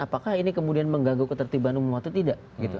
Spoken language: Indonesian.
apakah ini kemudian mengganggu ketertiban umum atau tidak